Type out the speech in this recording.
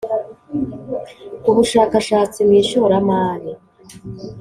Ubushakashatsi mu ishoramari